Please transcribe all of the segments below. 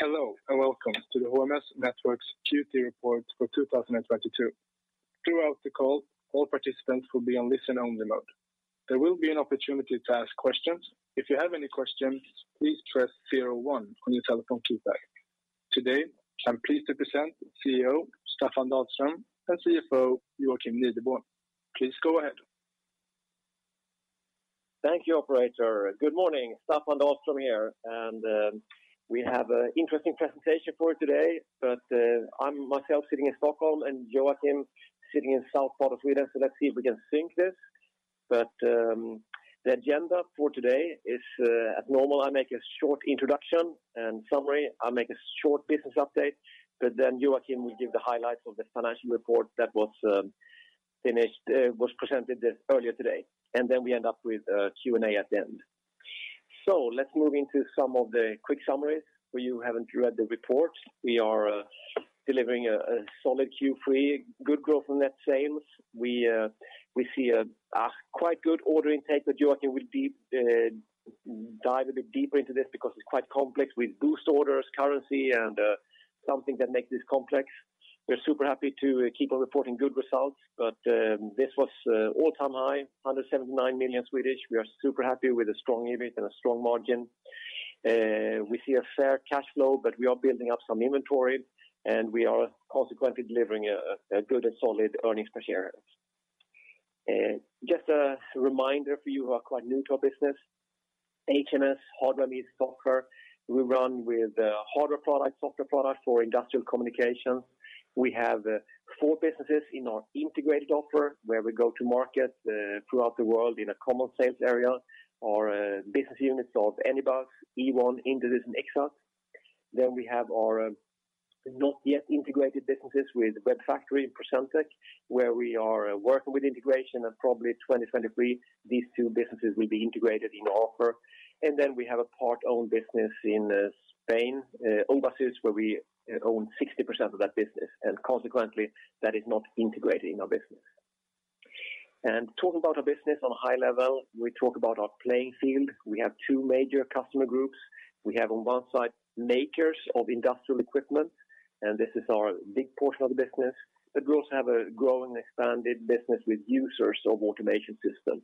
Hello, and welcome to the HMS Networks' Q3 report for 2022. Throughout the call, all participants will be on listen-only mode. There will be an opportunity to ask questions. If you have any questions, please press zero one on your telephone keypad. Today, I'm pleased to present CEO Staffan Dahlström and CFO Joakim Nideborn. Please go ahead. Thank you, operator. Good morning. Staffan Dahlström here. We have an interesting presentation for you today. I'm myself sitting in Stockholm and Joakim sitting in south part of Sweden. Let's see if we can sync this. The agenda for today is, as normal, I make a short introduction and summary. I make a short business update, but then Joakim will give the highlights of the financial report that was presented earlier today. We end up with Q&A at the end. Let's move into some of the quick summaries for you who haven't read the report. We are delivering a solid Q3, good growth on net sales. We see a quite good order intake, but Joakim will dive a bit deeper into this because it's quite complex with boost orders, currency, and something that makes this complex. We're super happy to keep on reporting good results, but this was all-time high, 179 million. We are super happy with a strong EBIT and a strong margin. We see a fair cash flow, but we are building up some inventory, and we are consequently delivering a good and solid earnings per share. Just a reminder for you who are quite new to our business. HMS, Hardware is Software. We run with hardware products, software products for industrial communication. We have four businesses in our integrated offer, where we go to market throughout the world in a common sales area. Our business units of Anybus, Ewon, Ixxat, and Intesis. We have our not yet integrated businesses with Webfactory and Procentec, where we are working with integration. Probably 2023, these two businesses will be integrated in our offer. We have a part-owned business in Spain, Owasys, where we own 60% of that business. Consequently, that is not integrated in our business. Talking about our business on a high-level, we talk about our playing field. We have two major customer groups. We have on one side makers of industrial equipment, and this is our big portion of the business. We also have a growing expanded business with users of automation system.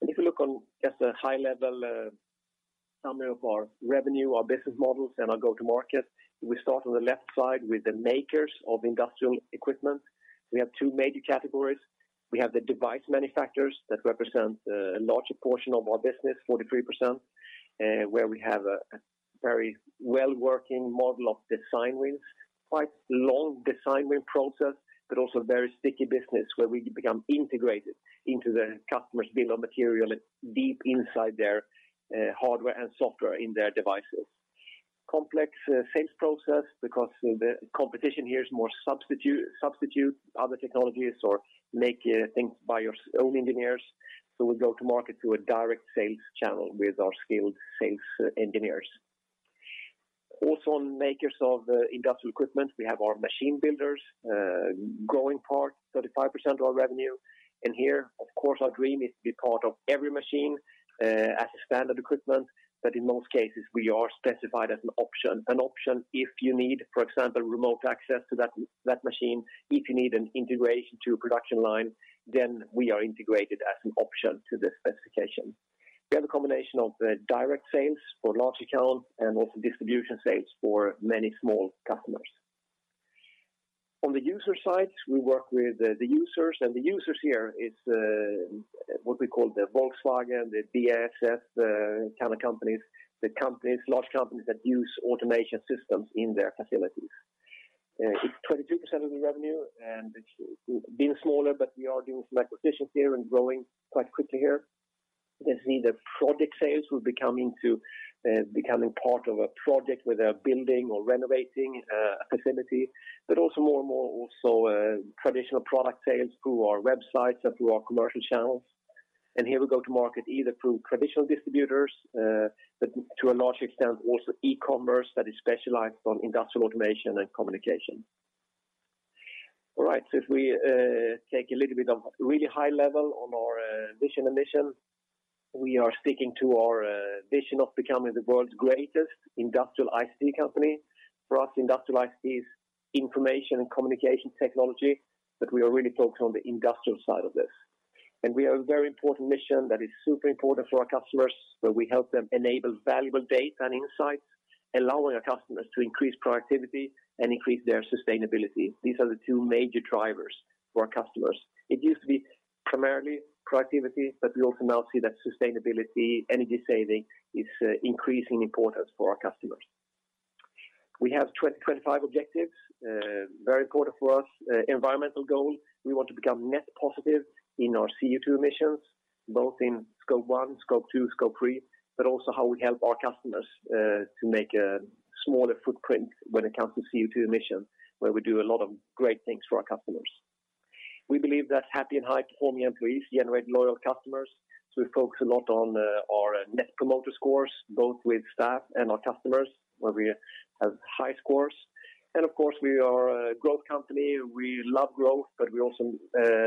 If you look on just a high-level summary of our revenue, our business models, and our go to market, we start on the left side with the makers of industrial equipment. We have two major categories. We have the device manufacturers that represent a larger portion of our business, 43%, where we have a very well-working model of design wins. Quite long design win process, but also very sticky business where we become integrated into the customer's bill of material and deep inside their hardware and software in their devices. Complex sales process because the competition here is more substitute other technologies or make things by your own engineers. We go to market through a direct sales channel with our skilled sales engineers. Also on makers of industrial equipment, we have our machine builders growing part, 35% of our revenue. Here, of course, our dream is to be part of every machine as a standard equipment. In most cases, we are specified as an option. An option if you need, for example, remote access to that machine. If you need an integration to a production line, then we are integrated as an option to the specification. We have a combination of direct sales for large accounts and also distribution sales for many small customers. On the user side, we work with the users. The users here is what we call the Volkswagen, the BASF kind of companies. The companies, large companies that use automation systems in their facilities. It's 22% of the revenue, and it's been smaller, but we are doing some acquisitions here and growing quite quickly here. It's either project sales, becoming part of a project where they're building or renovating a facility. Also more and more traditional product sales through our websites and through our commercial channels. Here we go to market either through traditional distributors, but to a large extent, also e-commerce that is specialized on industrial automation and communication. All right. If we take a little bit of really high-level on our vision and mission, we are sticking to our vision of becoming the world's greatest industrial IT company. For us, industrial IT is information and communication technology, but we are really focused on the industrial side of this. We have a very important mission that is super important for our customers, where we help them enable valuable data and insights, allowing our customers to increase productivity and increase their sustainability. These are the two major drivers for our customers. It used to be primarily productivity, but we also now see that sustainability, energy saving is increasing importance for our customers. We have 2025 objectives, very important for us. Environmental goal, we want to become net positive in our CO2 emissions, both in Scope 1, Scope 2, Scope 3, but also how we help our customers to make a smaller footprint when it comes to CO2 emission, where we do a lot of great things for our customers. We believe that happy and high-performing employees generate loyal customers, so we focus a lot on our Net Promoter Scores, both with staff and our customers, where we have high-scores. Of course, we are a growth company. We love growth, but we also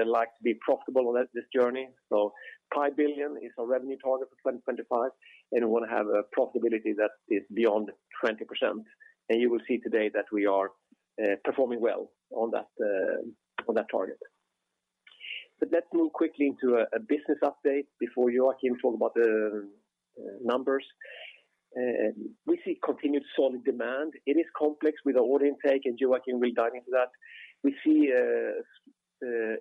like to be profitable on this journey. 5 billion is our revenue target for 2025. We want to have a profitability that is beyond 20%. You will see today that we are performing well on that target. Let's move quickly into a business update before Joakim Nideborn talk about the numbers. We see continued solid demand. It is complex with order intake, and Joakim Nideborn will dive into that. We see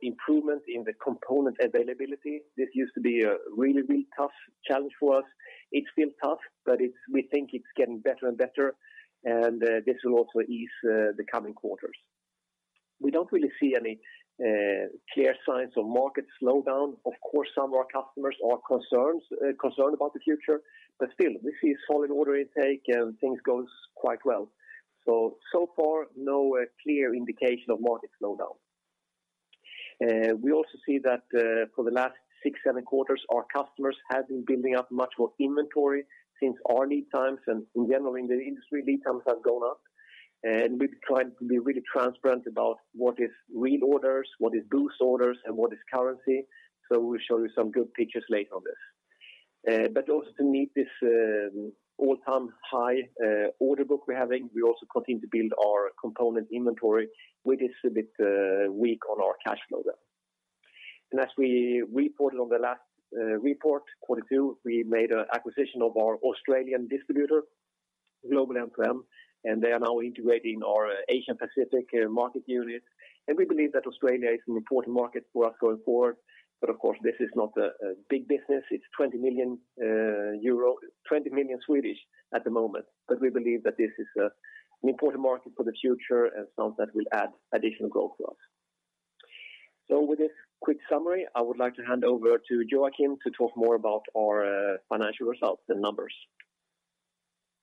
improvement in the component availability. This used to be a really tough challenge for us. It's been tough, but we think it's getting better and better. This will also ease the coming quarters. We don't really see any clear signs of market slowdown. Of course, some of our customers are concerned about the future, but still we see solid order intake and things goes quite well. So far, no clear indication of market slowdown. We also see that for the last six, seven quarters, our customers have been building up much more inventory since our lead times, and in general, in the industry, lead times have gone up. We've tried to be really transparent about what is reorders, what is boost orders, and what is currency. We'll show you some good pictures later on this. To meet this all-time high-order book we're having, we also continue to build our component inventory, which is a bit weak on our cash flow then. As we reported on the last report, quarter two, we made an acquisition of our Australian distributor, Global M2M Pty Ltd, and they are now integrating our Asia-Pacific market unit. We believe that Australia is an important market for us going forward. Of course, this is not a big business. It's SEK 20 million at the moment. We believe that this is an important market for the future and something that will add additional growth for us. With this quick summary, I would like to hand over to Joakim Nideborn to talk more about our financial results and numbers.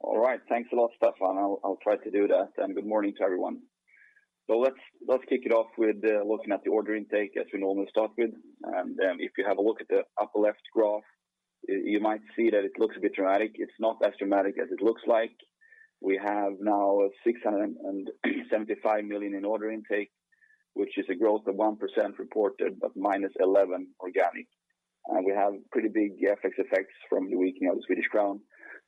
All right. Thanks a lot, Staffan. I'll try to do that. Good morning to everyone. Let's kick it off with looking at the order intake as we normally start with. If you have a look at the upper left graph, you might see that it looks a bit dramatic. It's not as dramatic as it looks like. We have now 675 million in order intake, which is a growth of 1% reported, but -11% organic. We have pretty big FX effects from the weakening of the Swedish Crown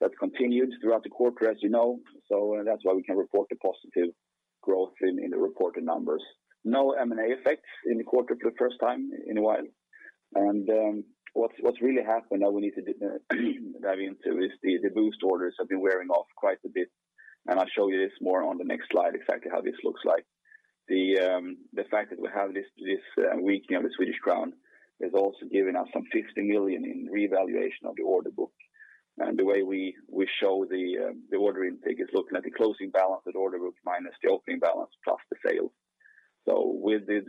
that continued throughout the quarter, as you know. That's why we can report the positive growth in the reported numbers. No M&A effects in the quarter for the first time in a while. What's really happened now we need to dive into is the boost orders have been wearing off quite a bit. I'll show you this more on the next slide, exactly how this looks like. The fact that we have this weakening of the Swedish Crown has also given us some 50 million in revaluation of the order book. The way we show the order intake is looking at the closing balance of the order book minus the opening balance plus the sale. With this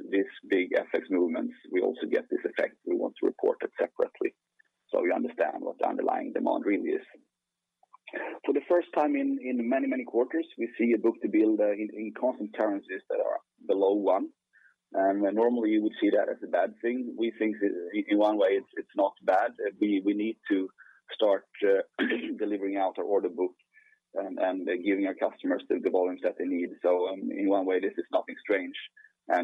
big FX movements, we also get this effect. We want to report it separately so we understand what the underlying demand really is. For the first time in many quarters, we see a book-to-bill in constant currencies that are below one. Normally, you would see that as a bad thing. We think that in one way, it's not bad. We need to start delivering out our order book and giving our customers the volumes that they need. In one way, this is nothing strange.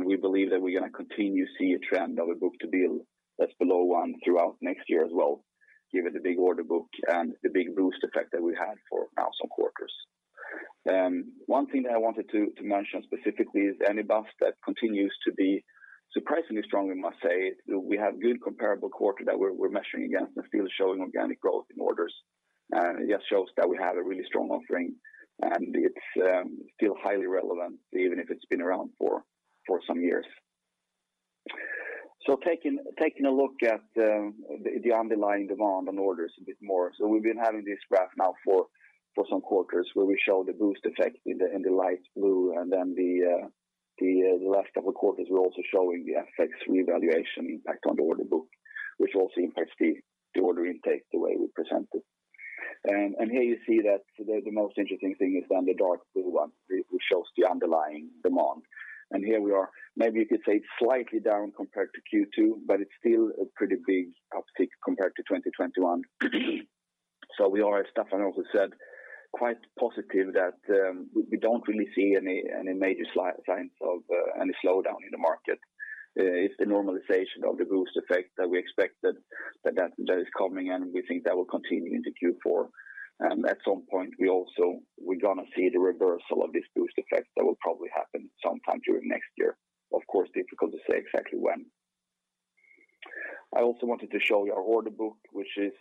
We believe that we're gonna continue to see a trend of a book-to-bill that's below one throughout next year as well, given the big order book and the big boost effect that we had for now some quarters. One thing that I wanted to mention specifically is Anybus that continues to be surprisingly strong, I must say. We have good comparable quarter that we're measuring against and still showing organic growth in orders. It just shows that we have a really strong offering, and it's still highly relevant even if it's been around for some years. Taking a look at the underlying demand on orders a bit more. We've been having this graph now for some quarters where we show the boost effect in the light blue, and then the last couple of quarters, we're also showing the FX revaluation impact on the order book, which also impacts the order intake the way we present it. Here you see that the most interesting thing is on the dark blue one, which shows the underlying demand. Here we are, maybe you could say slightly down compared to Q2, but it's still a pretty big uptick compared to 2021. We are, as Staffan also said, quite positive that we don't really see any major signs of any slowdown in the market. It's the normalization of the boost effect that we expected that is coming, and we think that will continue into Q4. At some point, we're gonna see the reversal of this boost effect that will probably happen sometime during next year. Of course, difficult to say exactly when. I also wanted to show you our order book, which is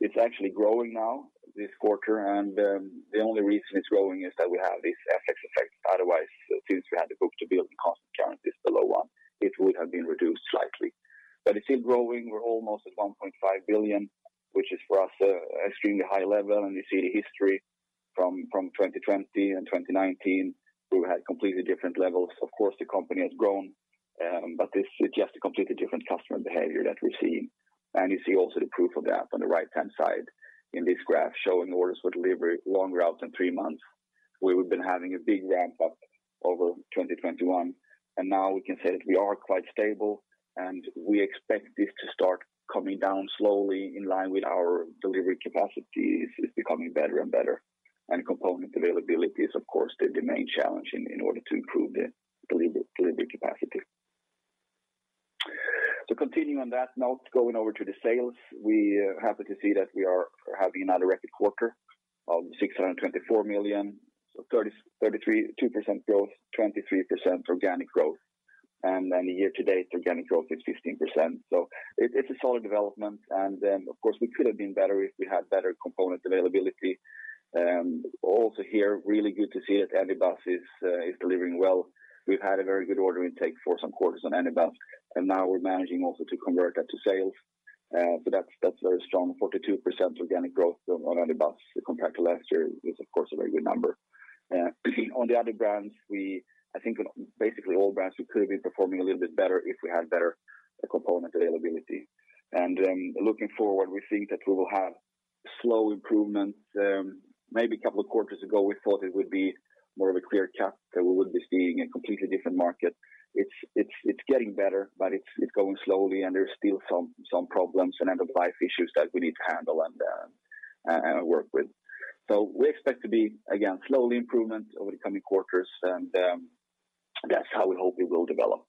it's actually growing now this quarter. The only reason it's growing is that we have this FX effect. Otherwise, since we had the book-to-bill in constant currencies below one, it would have been reduced slightly. But it's still growing. We're almost at 1.5 billion, which is for us, an extremely high-level. You see the history from 2020 and 2019, we had completely different levels. Of course, the company has grown, but this is just a completely different customer behavior that we're seeing. You see also the proof of that on the right-hand side in this graph showing orders for delivery longer out than 3 months. We have been having a big ramp up over 2021. Now we can say that we are quite stable, and we expect this to start coming down slowly in line with our delivery capacity. It's becoming better and better. Component availability is, of course, the main challenge in order to improve the delivery capacity. Continuing on that note, going over to the sales, we are happy to see that we are having another record quarter of 624 million, so 32% growth, 23% organic growth. Then year-to-date, organic growth is 15%. It's a solid development. Then, of course, we could have been better if we had better component availability. Also here, really good to see that Anybus is delivering well. We've had a very good order intake for some quarters on Anybus, and now we're managing also to convert that to sales. So that's very strong. 42% organic growth on Anybus compared to last year is, of course, a very good number. On the other brands, I think on basically all brands, we could have been performing a little bit better if we had better component availability. Looking forward, we think that we will have slow improvements. Maybe a couple of quarters ago, we thought it would be more of a clear cut, that we would be seeing a completely different market. It's getting better, but it's going slowly, and there's still some problems and end-of-life issues that we need to handle and work with. We expect slow improvement over the coming quarters, and that's how we hope it will develop.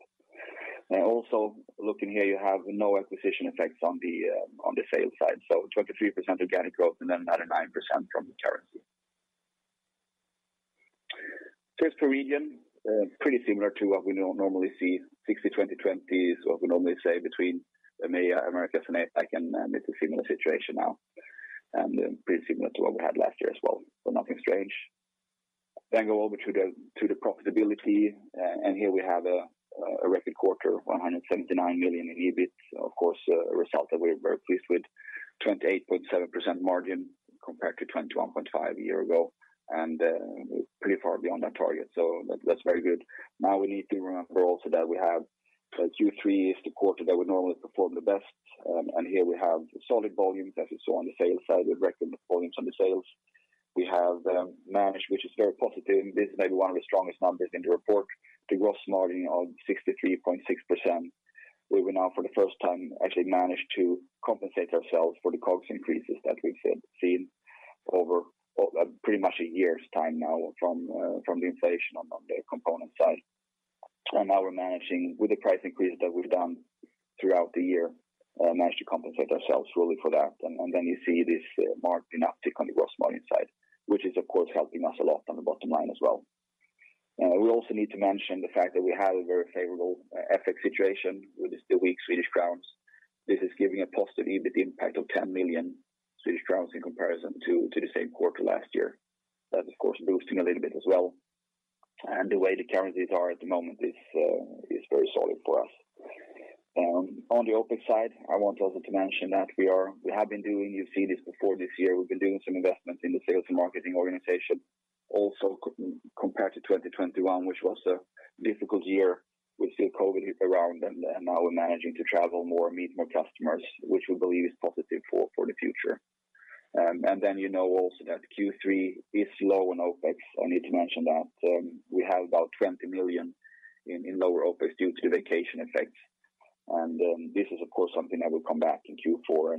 Also looking here, you have no acquisition effects on the sales side, so 23% organic growth and then another 9% from the currency. First per region, pretty similar to what we normally see, 60/20/20 is what we normally say between EMEA, Americas, and APAC, it's a similar situation now, and pretty similar to what we had last year as well, so nothing strange. Go over to the profitability, and here we have a record quarter of 179 million in EBIT, of course, a result that we're very pleased with. 28.7% margin compared to 21.5% a year ago, we're pretty far beyond that target, so that's very good. Now we need to remember also that we have Q3 is the quarter that would normally perform the best, and here we have solid volumes as you saw on the sales side, with record volumes on the sales. We have managed, which is very positive, and this is maybe one of the strongest numbers in the report, the gross margin of 63.6%. We went out for the first time, actually managed to compensate ourselves for the COGS increases that we've seen over pretty much a year's time now from the inflation on the component side. Then you see this marked uptick on the gross margin side, which is of course helping us a lot on the bottom line as well. We also need to mention the fact that we have a very favorable FX situation with the weak Swedish crown. This is giving a positive EBIT impact of 10 million Swedish crowns in comparison to the same quarter last year. That of course boosting a little bit as well. The way the currencies are at the moment is very solid for us. On the OpEx side, I want also to mention that we have been doing, you've seen this before this year, we've been doing some investments in the sales and marketing organization. Also compared to 2021, which was a difficult year, we see COVID is around and now we're managing to travel more, meet more customers, which we believe is positive for the future. You know also that Q3 is low on OpEx. I need to mention that we have about 20 million in lower OpEx due to vacation effects. This is of course something that will come back in Q4.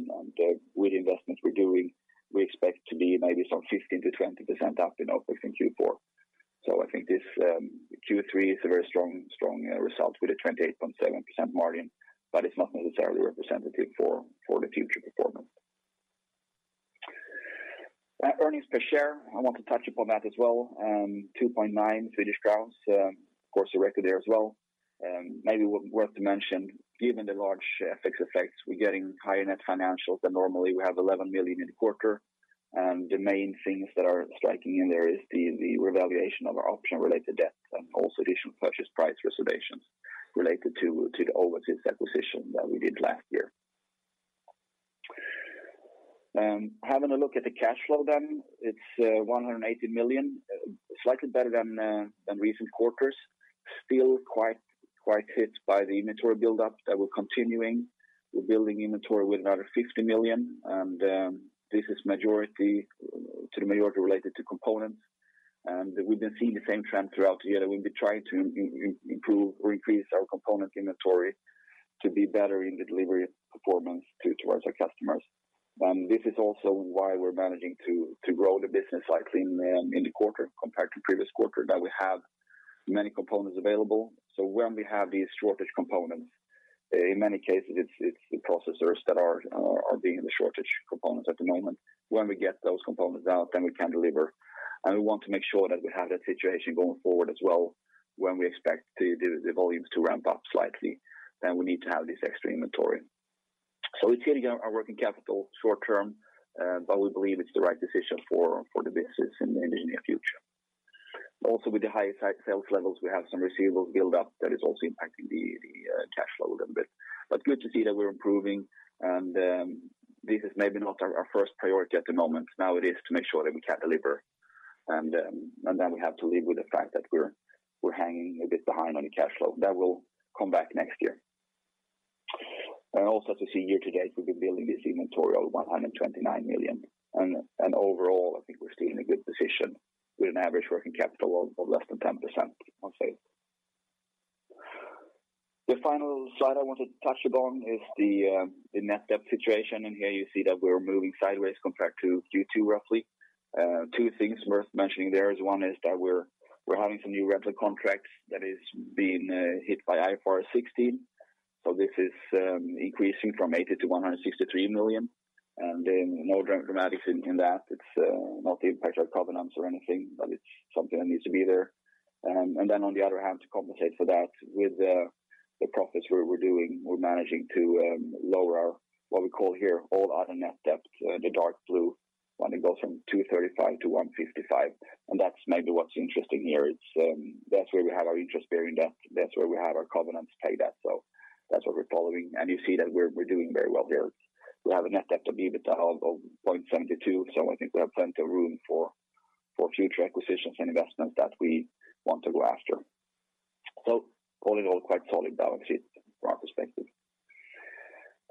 With the investments we're doing, we expect to be maybe some 15%-20% up in OpEx in Q4. I think this Q3 is a very strong result with a 28.7% margin, but it's not necessarily representative for the future performance. Earnings per share, I want to touch upon that as well. 2.9 Swedish crowns, of course, a record there as well. Maybe worth to mention, given the large FX effects, we're getting higher-net financials than normally. We have 11 million in the quarter. The main things that are striking in there is the revaluation of our option-related debt and also additional purchase price reservations related to the Owasys acquisition that we did last year. Having a look at the cash flow then, it's 180 million, slightly better than recent quarters. Still quite hit by the inventory buildup that we're continuing. We're building inventory with another 50 million, and this is majority to the majority related to components. We've been seeing the same trend throughout the year. We've been trying to improve or increase our component inventory to be better in the delivery performance towards our customers. This is also why we're managing to grow the business slightly in the quarter compared to previous quarter, that we have many components available. When we have these shortage components, in many cases it's the processors that are being the shortage components at the moment. When we get those components out, then we can deliver. We want to make sure that we have that situation going forward as well when we expect the volumes to ramp up slightly, then we need to have this extra inventory. It's hitting our working capital short-term, but we believe it's the right decision for the business in the near future. Also, with the higher-sales levels, we have some receivables build up that is also impacting the cash flow a little bit. Good to see that we're improving, and this is maybe not our first priority at the moment. Now it is to make sure that we can deliver, and then we have to live with the fact that we're hanging a bit behind on the cash flow. That will come back next year. Also to see year to date, we've been building this inventory of 129 million. Overall, I think we're still in a good position with an average working capital of less than 10% on sales. The final slide I want to touch upon is the net debt situation. Here you see that we're moving sideways compared to Q2 roughly. Two things worth mentioning there. One is that we're having some new rental contracts that is being hit by IFRS 16. So this is increasing from 80 million to 163 million. No dramatics in that it's not the impact of covenants or anything, but it's something that needs to be there. On the other hand, to compensate for that with the profits we're managing to lower our what we call here all other net debt, the dark blue one, it goes from 235-155. That's maybe what's interesting here. That's where we have our interest-bearing debt. That's where we have our covenant-based debt. That's what we're following. You see that we're doing very well there. We have a net debt to EBITDA of 0.72. I think we have plenty of room for future acquisitions and investments that we want to go after. All in all, quite solid balance sheet from our perspective.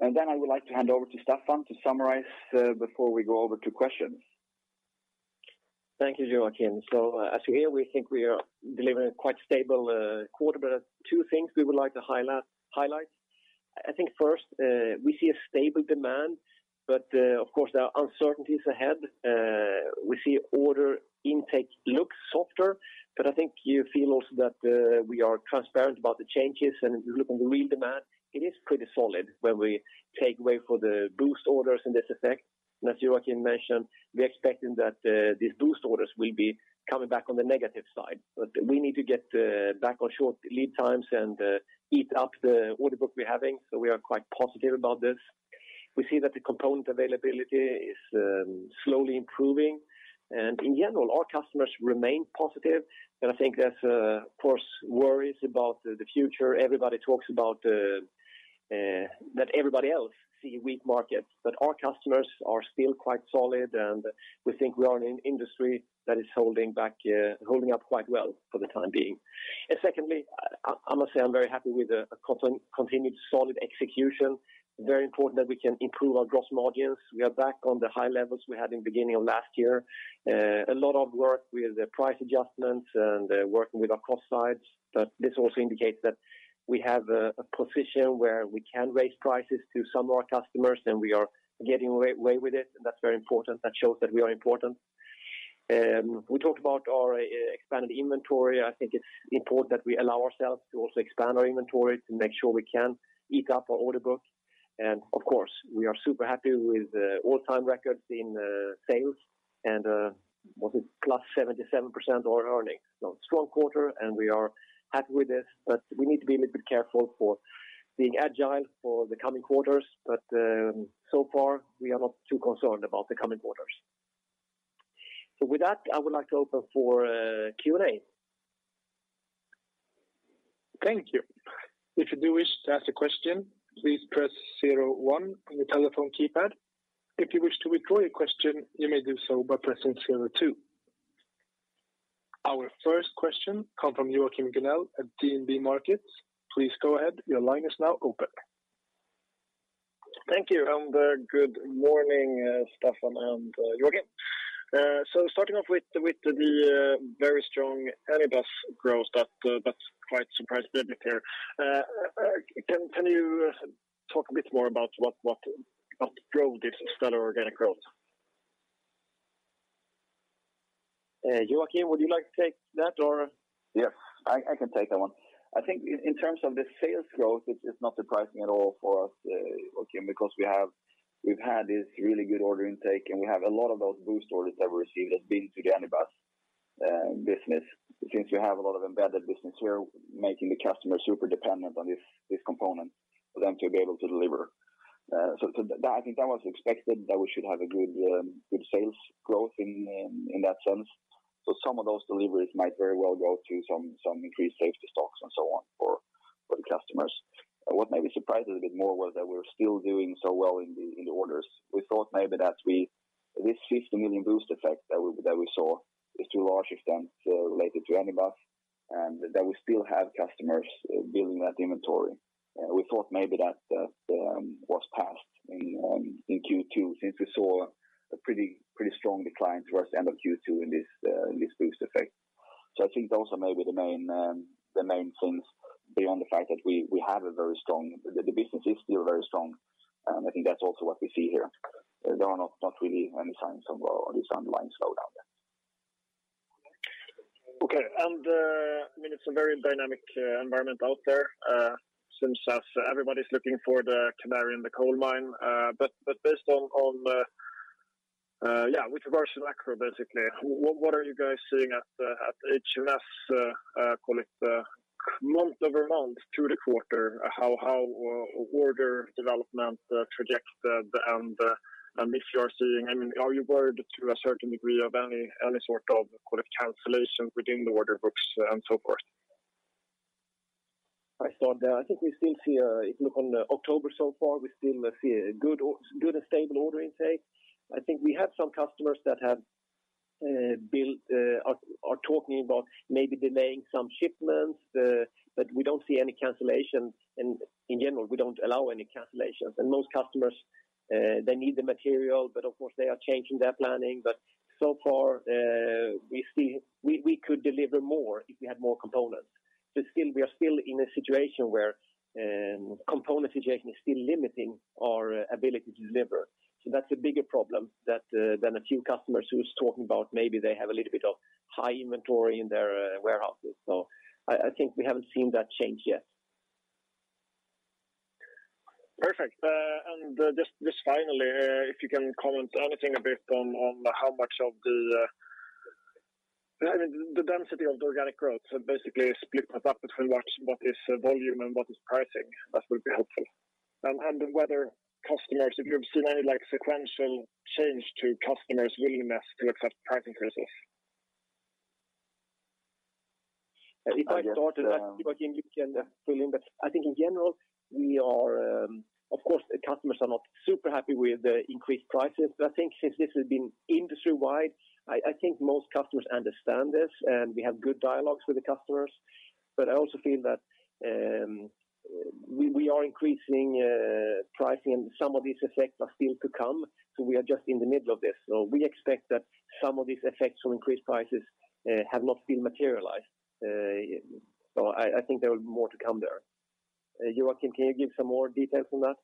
I would like to hand over to Staffan to summarize before we go over to questions. Thank you, Joakim. As you hear, we think we are delivering a quite stable quarter. Two things we would like to highlight. I think first, we see a stable demand, but of course, there are uncertainties ahead. We see order intake looks softer, but I think you feel also that we are transparent about the changes and if you look on the real demand, it is pretty solid when we take away for the boost orders and this effect. As Joakim mentioned, we're expecting that these boost orders will be coming back on the negative side. We need to get back on short lead times and eat up the order book we're having, so we are quite positive about this. We see that the component availability is slowly improving. In general, our customers remain positive. I think there's, of course, worries about the future. Everybody talks about that everybody else see weak markets, but our customers are still quite solid, and we think we are in an industry that is holding up quite well for the time being. Secondly, I must say I'm very happy with the continued solid execution. Very important that we can improve our gross margins. We are back on the high-levels we had in beginning of last year. A lot of work with the price adjustments and working with our cost sides. This also indicates that we have a position where we can raise prices to some of our customers, and we are getting away with it, and that's very important. That shows that we are important. We talked about our expanded inventory. I think it's important that we allow ourselves to also expand our inventory to make sure we can eat up our order book. Of course, we are super happy with all-time records in sales and what is plus 77% on earnings. Strong quarter, and we are happy with this, but we need to be a little bit careful for being agile for the coming quarters. So far, we are not too concerned about the coming quarters. With that, I would like to open for Q&A. Thank you. If you do wish to ask a question, please press zero one on your telephone keypad. If you wish to withdraw your question, you may do so by pressing zero two. Our first question come from Joachim Gunell at DNB Markets. Please go ahead. Your line is now open. Thank you. Good morning, Staffan and Joakim. Starting off with the very strong Anybus growth that's quite surprised a bit here. Can you talk a bit more about what drove this stellar organic growth? Joakim, would you like to take that or? Yes, I can take that one. I think in terms of the sales growth, it's not surprising at all for us, Joakim, because we've had this really good order intake, and we have a lot of those boost orders that we've received has been to the Anybus business. Since you have a lot of embedded business, you're making the customer super dependent on this component for them to be able to deliver. That, I think that was expected that we should have a good sales growth in that sense. Some of those deliveries might very well go to some increased safety stocks and so on for the customers. What maybe surprised us a bit more was that we're still doing so well in the orders. We thought maybe that this 50 million boost effect that we saw is to a large extent related to Anybus, and that we still have customers building that inventory. We thought maybe that was passed in Q2, since we saw a pretty strong decline towards the end of Q2 in this boost effect. I think those are maybe the main things beyond the fact that we have a very strong business. The business is still very strong. I think that's also what we see here. There are not really any signs of this underlying slowdown there. Okay. I mean, it's a very dynamic environment out there, since as everybody's looking for the canary in the coal mine. Based on, yeah, with regards to macro, basically, what are you guys seeing at HMS, call it, month-over-month through the quarter? How order development trajectory, and if you are seeing, I mean, are you worried to a certain degree of any sort of cancellation within the order books and so forth? I thought, I think we still see, if you look on October so far, we still see a good and stable order intake. I think we have some customers that are talking about maybe delaying some shipments, but we don't see any cancellations. In general, we don't allow any cancellations. Most customers, they need the material, but of course, they are changing their planning. So far, we could deliver more if we had more components. Still we are in a situation where component situation is still limiting our ability to deliver. That's a bigger problem than a few customers who are talking about maybe they have a little bit of high- inventory in their warehouses. I think we haven't seen that change yet. Perfect. Just finally, if you can comment anything a bit on how much of the, I mean, the density of the organic growth, so basically split that up between what is volume and what is pricing. That would be helpful. Whether customers, if you've seen any like sequential change to customers' willingness to accept price increases. If I start with that, Joakim, you can fill in. I think in general, we are of course the customers are not super happy with the increased prices. I think since this has been industry-wide, I think most customers understand this, and we have good dialogues with the customers. I also feel that we are increasing pricing and some of these effects are still to come, so we are just in the middle of this. We expect that some of these effects from increased prices have not been materialized. I think there will be more to come there. Joakim, can you give some more details on that?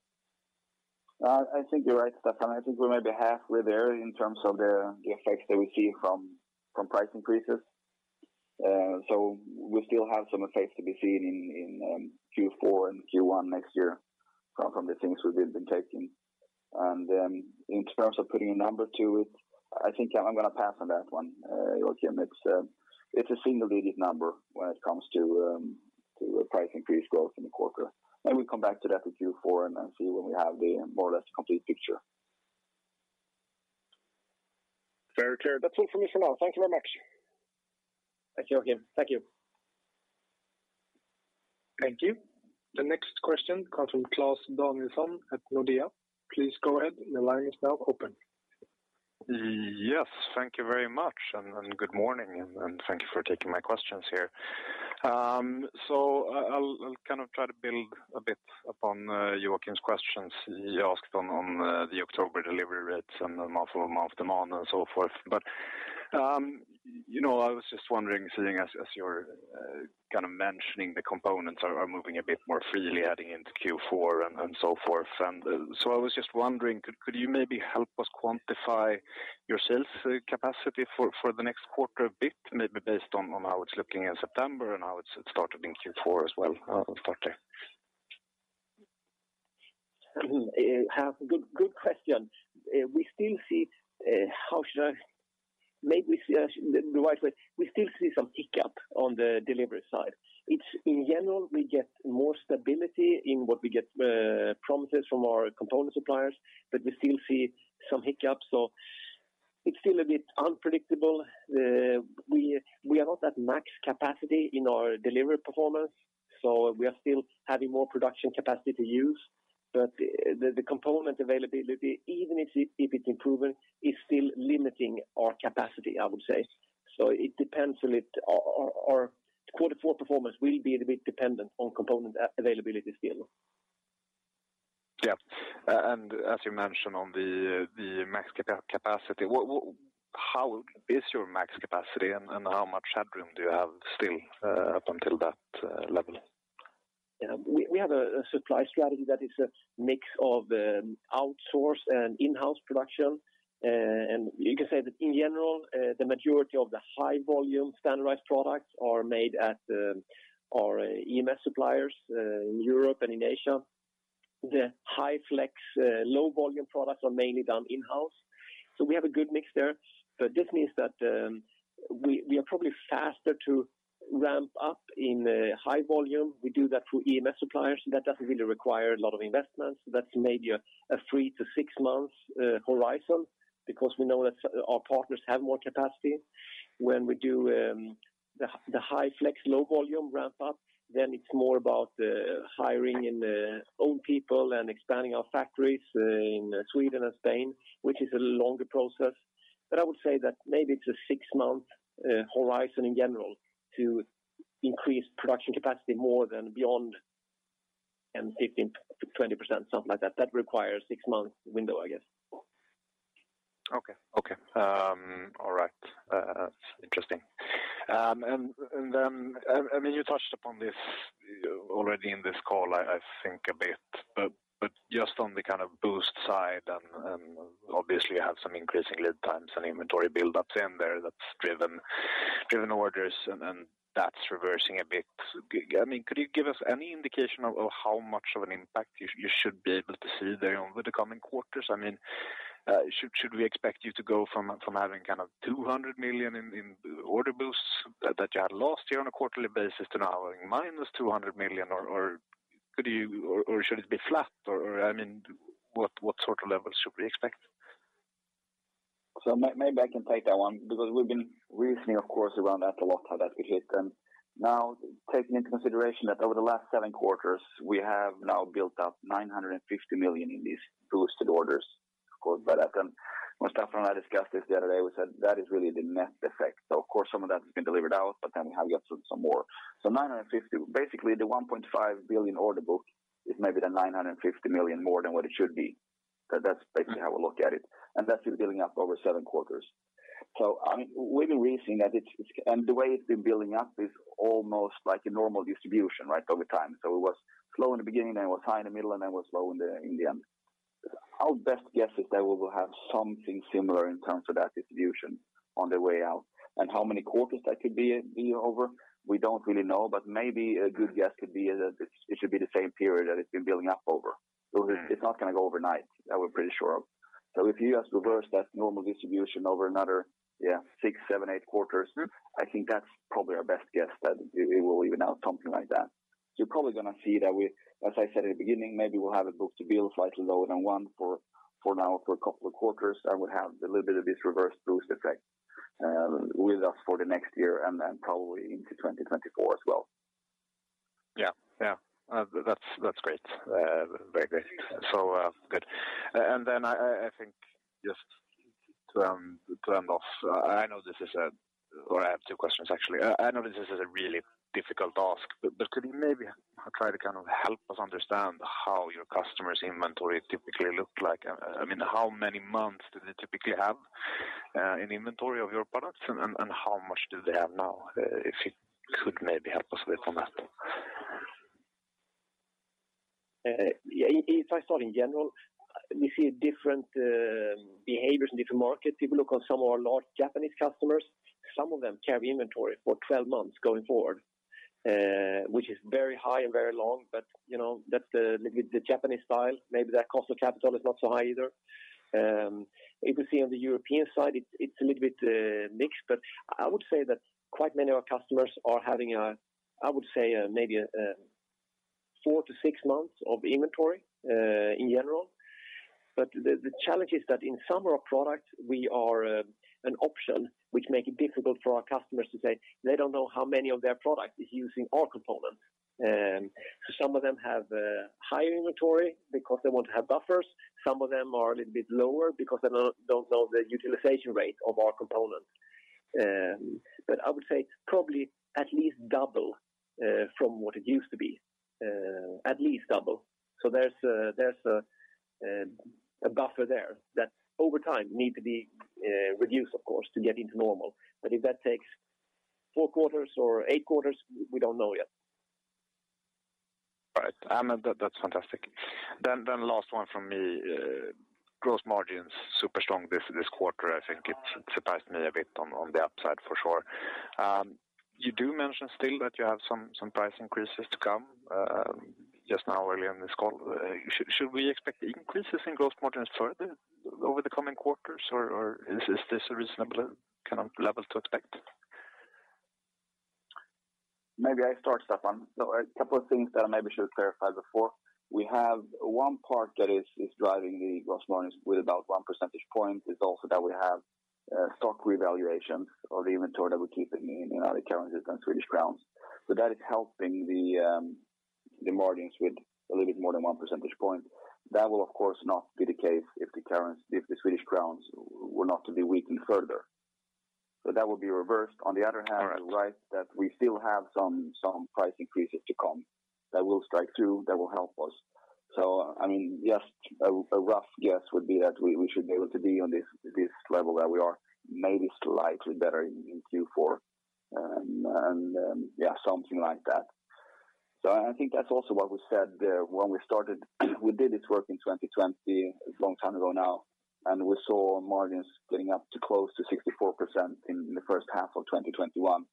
I think you're right, Staffan. I think we might be halfway there in terms of the effects that we see from price increases. We still have some effects to be seen in Q4 and Q1 next year from the things we've been taking. In terms of putting a number to it, I think I'm gonna pass on that one. Joakim, it's a single-digit number when it comes to the price increase growth in the quarter. Maybe we come back to that in Q4 and then see when we have the more or less complete picture. Very clear. That's all from me for now. Thank you very much. Thank you, Joakim. Thank you. Thank you. The next question comes from Klas Danielsson at Nordea. Please go ahead. The line is now open. Yes. Thank you very much, and good morning, and thank you for taking my questions here. I'll kind of try to build a bit upon Joakim's questions. He asked on the October delivery rates and the month-over-month demand and so forth. You know, I was just wondering, seeing as you're kind of mentioning the components are moving a bit more freely heading into Q4 and so forth. I was just wondering, could you maybe help us quantify your sales capacity for the next quarter a bit, maybe based on how it's looking in September and how it's started in Q4 as well? I'll start there. Yeah, good question. We still see some hiccup on the delivery side. In general, we get more stability in what we get, promises from our component suppliers, but we still see some hiccups. So it's still a bit unpredictable. We are not at max capacity in our delivery performance, so we are still having more production capacity to use. But the component availability, even if it's improving, is still limiting our capacity, I would say. So it depends a little. Our quarter four performance will be a bit dependent on component availability still. Yeah. As you mentioned on the max capacity, how is your max capacity and how much headroom do you have still up until that level? Yeah. We have a supply strategy that is a mix of outsource and in-house production. You can say that in general, the majority of the high-volume standardized products are made at our EMS suppliers in Europe and in Asia. The high-flex low- volume products are mainly done in-house. We have a good mix there. This means that we are probably faster to ramp up in the high-volume. We do that through EMS suppliers. That doesn't really require a lot of investments. That's maybe a 3-6 months horizon because we know that our partners have more capacity. When we do the high-mix, low-volume ramp up, then it's more about hiring our own people and expanding our factories in Sweden and Spain, which is a longer process. I would say that maybe it's a six-month horizon in general to increase production capacity more than beyond 10, 15%-20%, something like that. That requires six months window, I guess. Okay. All right. That's interesting. I mean, you touched upon this already in this call, I think a bit, but just on the kind of boost side and obviously you have some increasing lead times and inventory buildups in there that's driven orders and that's reversing a bit. I mean, could you give us any indication of how much of an impact you should be able to see there over the coming quarters? I mean, should we expect you to go from having kind of 200 million in order boosts that you had last year on a quarterly basis to now having minus 200 million? Or could you or should it be flat? Or I mean, what sort of levels should we expect? Maybe I can take that one because we've been reasoning, of course, around that a lot how that we hit. Now taking into consideration that over the last seven quarters, we have now built up 950 million in these boosted orders. Of course, but I can when Staffan and I discussed this the other day, we said that is really the net effect. Of course, some of that has been delivered out, but then we have yet some more. Nine hundred and fifty, basically the 1.5 billion order book is maybe the 950 million more than what it should be. That's basically how we look at it, and that's been building up over seven quarters. I mean, we've been raising that it's and the way it's been building up is almost like a normal distribution, right, over time. It was slow in the beginning, then it was high in the middle, and then was low in the end. Our best guess is that we will have something similar in terms of that distribution on the way out. How many quarters that could be over? We don't really know, but maybe a good guess could be that it should be the same period that it's been building up over. It's not gonna go overnight, that we're pretty sure of. If you just reverse that normal distribution over another, yeah, six, seven, eight quarters, I think that's probably our best guess that it will even out something like that. You're probably gonna see that we. As I said in the beginning, maybe we'll have a book-to-bill slightly lower than one for now, for a couple of quarters, and we'll have a little bit of this reverse boost effect with us for the next year and then probably into 2024 as well. Yeah. That's great. Very great. Good. Then I think just to end off, I have two questions, actually. I know this is a really difficult ask, but could you maybe try to kind of help us understand how your customers' inventory typically look like? I mean, how many months do they typically have in inventory of your products, and how much do they have now? If you could maybe help us a bit on that. Yeah, if I start in general, we see different behaviors in different markets. If you look on some of our large Japanese customers, some of them carry inventory for 12 months going forward, which is very high and very long, but you know, that's the Japanese style. Maybe their cost of capital is not so high either. If you see on the European side, it's a little bit mixed, but I would say that quite many of our customers are having a, I would say, maybe 4-6 months of inventory in general. But the challenge is that in some of our products we are an option which make it difficult for our customers to say they don't know how many of their product is using our component. Some of them have higher-inventory because they want to have buffers. Some of them are a little bit lower because they don't know the utilization rate of our component. I would say it's probably at least double from what it used to be. At least double. There's a buffer there that over time need to be reduced, of course, to get into normal. If that takes four quarters or eight quarters, we don't know yet. All right. That's fantastic. Last one from me. Gross margins super strong this quarter. I think it surprised me a bit on the upside for sure. You do mention still that you have some price increases to come, just now early on this call. Should we expect increases in gross margins further over the coming quarters, or is this a reasonable kind of level to expect? Maybe I start, Staffan. A couple of things that I maybe should have clarified before. We have one part that is driving the gross margins with about one percentage point. It's also that we have stock revaluations of the inventory that we keep in other currencies than Swedish crowns. That is helping the margins with a little bit more than one percentage point. That will of course not be the case if the Swedish crowns were not to be weakened further. That will be reversed. On the other hand All right. You're right that we still have some price increases to come that will strike through, that will help us. I mean, just a rough guess would be that we should be able to be on this level that we are maybe slightly better in Q4. Something like that. I think that's also what we said there when we started. We did this work in 2020, a long time ago now, and we saw margins getting up to close to 64% in the first half of 2021.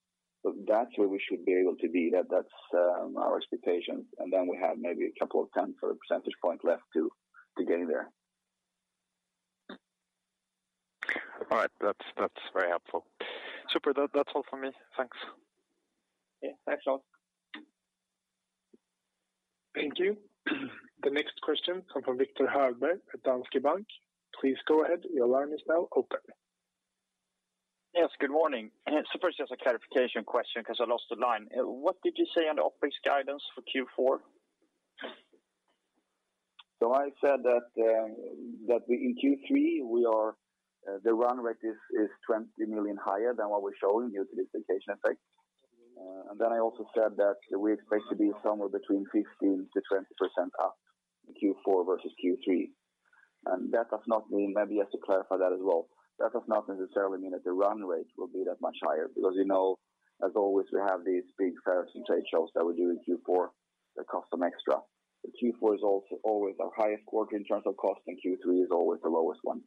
That's where we should be able to be. That's our expectation. Then we have maybe a couple of times or a percentage point left to getting there. All right. That's very helpful. Super. That's all for me. Thanks. Yeah. Thanks a lot. Thank you. The next question comes from Viktor Hellberg at Danske Bank. Please go ahead. Your line is now open. Yes, good morning. First, just a clarification question 'cause I lost the line. What did you say on the OpEx guidance for Q4? I said that in Q3 the run rate is 20 million higher than what we're showing utilization effect. I also said that we expect to be somewhere between 15%-20% up in Q4 versus Q3. That does not mean, maybe you have to clarify that as well. That does not necessarily mean that the run rate will be that much higher because, you know, as always, we have these big trade shows that we do in Q4 that cost some extra. Q4 is also always our highest quarter in terms of cost, and Q3 is always the lowest one.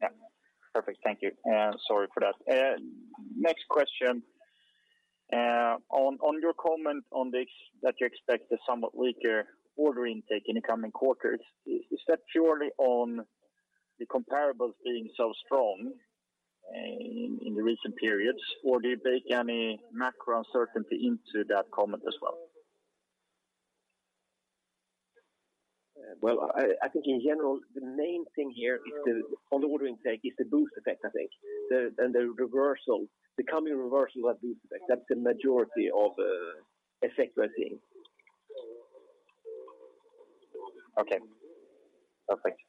Yeah. Perfect. Thank you, and sorry for that. Next question. On your comment on this, that you expect a somewhat weaker order intake in the coming quarters, is that purely on the comparables being so strong in the recent periods, or do you bake any macro uncertainty into that comment as well? Well, I think in general, the main thing here is the boost effect on the order intake, I think. The coming reversal of that boost effect. That's the majority of effect we're seeing. Okay. Perfect.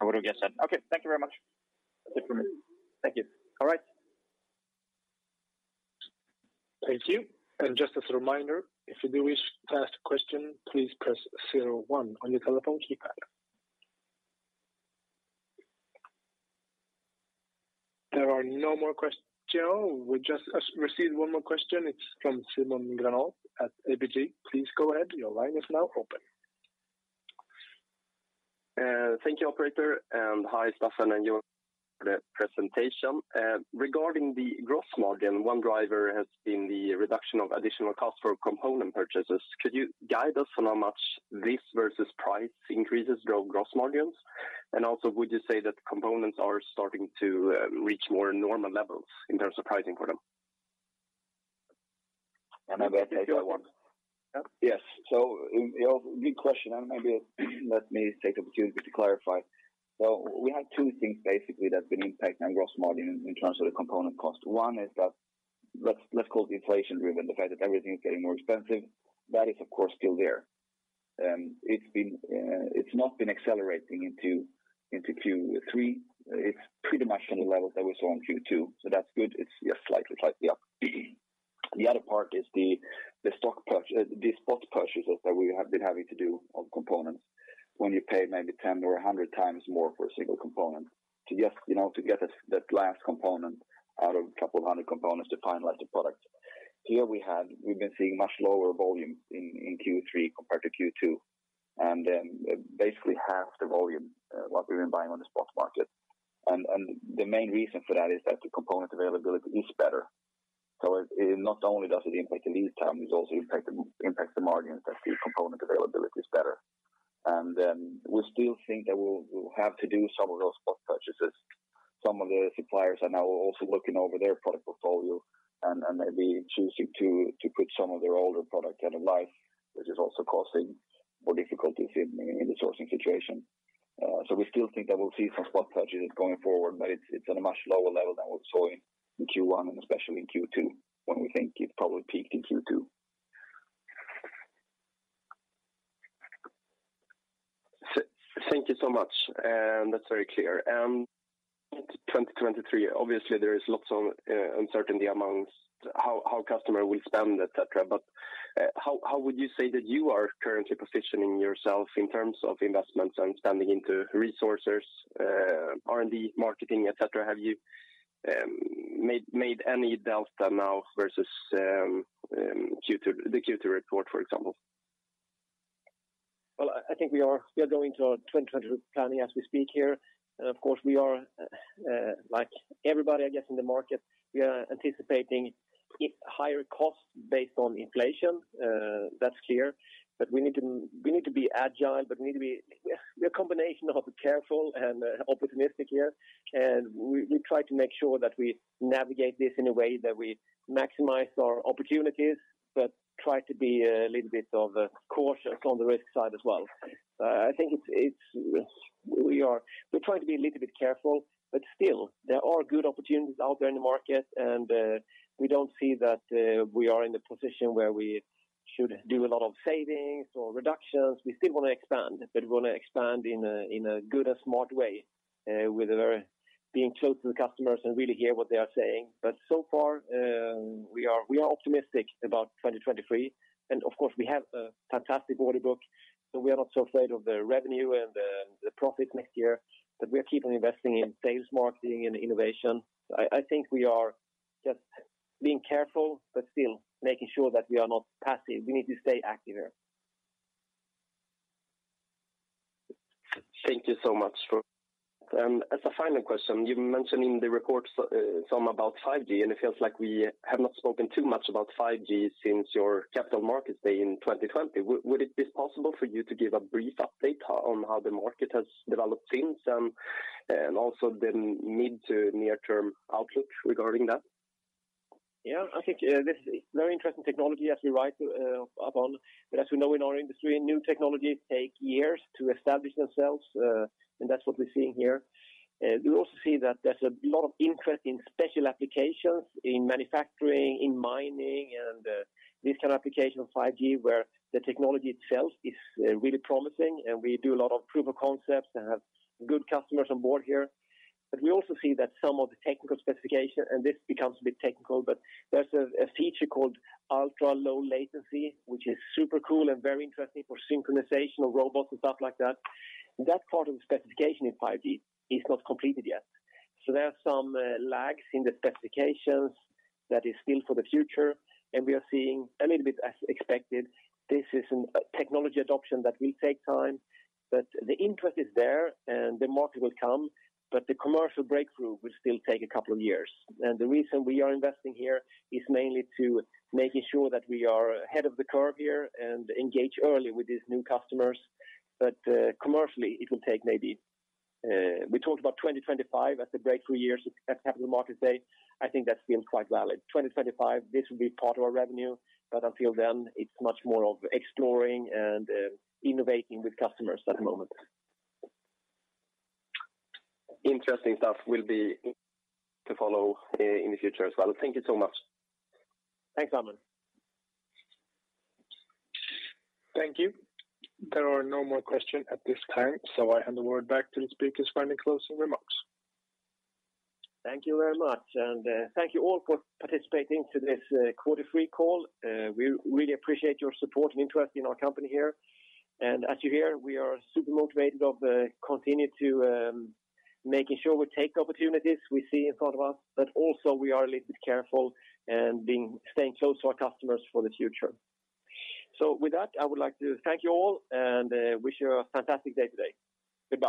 I would have guessed that. Okay. Thank you very much. That's it for me. Thank you. All right. Thank you. Just as a reminder, if you do wish to ask a question, please press zero one on your telephone keypad. There are no more question. We just received one more question. It's from Simon Granath at ABG. Please go ahead. Your line is now open. Thank you, operator. Hi, Staffan, and Joakim Nideborn for the presentation. Regarding the gross margin, one driver has been the reduction of additional costs for component purchases. Could you guide us on how much this versus price increases drove gross margins? Also, would you say that components are starting to reach more normal levels in terms of pricing for them? I will take that one. Yes. Good question, and maybe let me take the opportunity to clarify. We have two things basically that have been impacting our gross margin in terms of the component cost. One is that let's call it the inflation driven, the fact that everything is getting more expensive. That is, of course, still there. It's not been accelerating into Q3. It's pretty much on the levels that we saw in Q2, so that's good. It's just slightly up. The other part is the stock purchases that we have been having to do on components when you pay maybe 10 or 100 times more for a single component to get, you know, to get that last component out of a couple hundred components to finalize the product. We've been seeing much lower volume in Q3 compared to Q2, and basically half the volume what we've been buying on the spot market. The main reason for that is that the component availability is better. So it not only does it impact the lead time, it also impact the margins that the component availability is better. We still think that we'll have to do some of those spot purchases. Some of the suppliers are now also looking over their product portfolio and maybe choosing to put some of their older product end-of-life, which is also causing more difficulties in the sourcing situation. We still think that we'll see some spot purchases going forward, but it's at a much lower level than we saw in Q1 and especially in Q2, when we think it probably peaked in Q2. Thank you so much, and that's very clear. 2023, obviously there is lots of uncertainty among how customers will spend, etc. How would you say that you are currently positioning yourself in terms of investments and spending into resources, R&D, marketing, etc.? Have you made any delta now versus the Q2 report, for example? Well, I think we are going to our 2023 planning as we speak here. Of course, we are like everybody, I guess, in the market, anticipating higher-costs based on inflation. That's clear. We need to be agile, but we need to be. We're a combination of careful and opportunistic here. We try to make sure that we navigate this in a way that we maximize our opportunities, but try to be a little bit cautious on the risk side as well. I think it's. We're trying to be a little bit careful, but still there are good opportunities out there in the market, and we don't see that we are in the position where we should do a lot of savings or reductions. We still wanna expand, but we wanna expand in a good and smart way, being close to the customers and really hear what they are saying. So far, we are optimistic about 2023. Of course, we have a fantastic order book, so we are not so afraid of the revenue and the profit next year. We are keeping investing in sales, marketing, and innovation. I think we are just being careful, but still making sure that we are not passive. We need to stay active here. Thank you so much. As a final question, you mentioned in the reports something about 5G, and it feels like we have not spoken too much about 5G since your Capital Markets Day in 2020. Would it be possible for you to give a brief update on how the market has developed since, and also the mid- to near-term outlook regarding that? Yeah, I think this is very interesting technology as we rely upon. As we know in our industry, new technologies take years to establish themselves, and that's what we're seeing here. We also see that there's a lot of interest in special applications in manufacturing, in mining and this kind of application of 5G, where the technology itself is really promising. We do a lot of proof of concepts and have good customers on board here. We also see that some of the technical specification, and this becomes a bit technical, but there's a feature called ultra-low latency, which is super cool and very interesting for synchronization of robots and stuff like that. That part of the specification in 5G is not completed yet. There are some lags in the specifications that is still for the future. We are seeing a little bit as expected. This is a technology adoption that will take time, but the interest is there and the market will come, but the commercial breakthrough will still take a couple of years. The reason we are investing here is mainly to making sure that we are ahead of the curve here and engage early with these new customers. Commercially, it will take maybe we talked about 2025 as the breakthrough years at Capital Markets Day. I think that feels quite valid. 2025, this will be part of our revenue, but until then, it's much more of exploring and innovating with customers at the moment. Interesting stuff will be to follow, in the future as well. Thank you so much. Thanks, Simon. Thank you. There are no more questions at this time, so I hand the word back to the speakers for any closing remarks. Thank you very much. Thank you all for participating in this, quarter three call. We really appreciate your support and interest in our company here. As you hear, we are super motivated to continue to make sure we take opportunities we see in front of us, but also we are a little bit careful and staying close to our customers for the future. With that, I would like to thank you all and wish you a fantastic day today. Goodbye.